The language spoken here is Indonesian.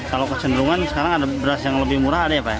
kalau kecenderungan sekarang ada beras yang lebih murah ada ya pak ya